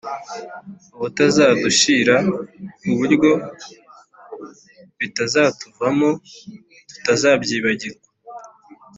ubutazadushira: ku buryo bitazatuvamo, tutazabyibagirwa